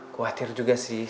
khawatir juga sih